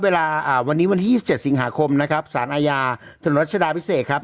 เวลาวันนี้วันที่๒๗สิงหาคมนะครับสารอาญาถนนรัชดาพิเศษครับ